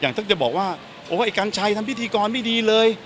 ถ้าจะบอกว่าโอ้ไอ้กัญชัยทำพิธีกรไม่ดีเลย